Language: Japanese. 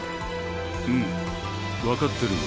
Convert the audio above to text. うん分かってるよ